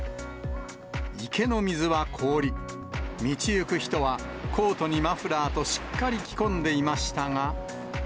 池の水は凍り、道行く人はコートにマフラーと、しっかり着込んでいましたが。